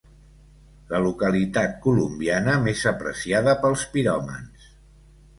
La localitat colombiana més apreciada pels piròmans.